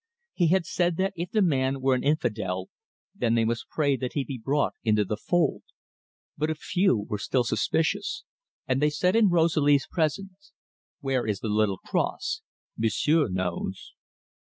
He had said that if the man were an infidel, then they must pray that he be brought into the fold; but a few were still suspicious, and they said in Rosalie's presence: "Where is the little cross? M'sieu' knows."